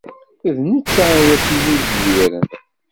D netta i asen-izewwiren.